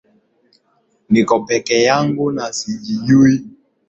Niko pekee yangu na sijijui